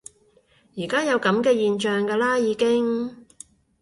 而家有噉嘅現象㗎啦已經